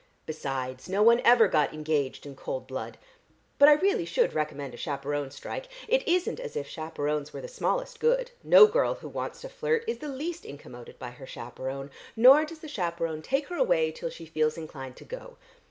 Besides, no one ever got engaged in cold blood. But I really should recommend a chaperone strike. It isn't as if chaperones were the smallest good; no girl who wants to flirt is the least incommoded by her chaperone, nor does the chaperone take her away till she feels inclined to go.